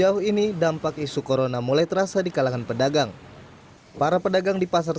jauh ini dampak isu corona mulai terasa di kalangan pedagang para pedagang di pasar